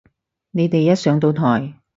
你哋一上到台